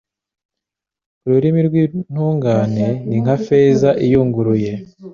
Ururimi rw’intungane ni nka feza iyunguruye